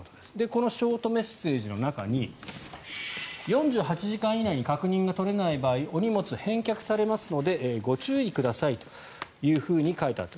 このショートメッセージの中に４８時間以内に確認が取れない場合お荷物、返却されますのでご注意くださいというふうに書いてあった。